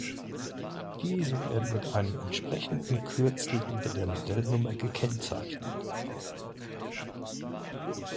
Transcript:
Diese werden mit einem entsprechenden Kürzel hinter der Modellnummer gekennzeichnet.